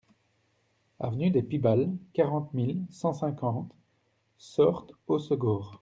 Avenue des Pibales, quarante mille cent cinquante Soorts-Hossegor